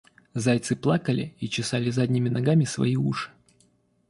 Зайцы плакали и чесали задними ногами свои уши.